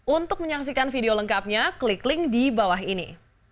untuk menyaksikan video lengkapnya klik link di bawah ini